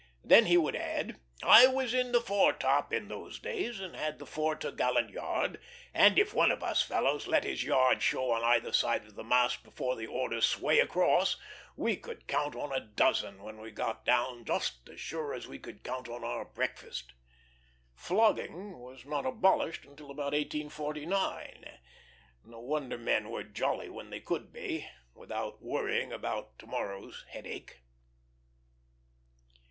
Then he would add: "I was in the foretop in those days, and had the fore topgallant yard; and if one of us fellows let his yard show on either side of the mast before the order 'Sway across,' we could count on a dozen when we got down just as sure as we could count on our breakfast." Flogging was not abolished until about 1849. No wonder men were jolly when they could be, without worrying about to morrow's headache.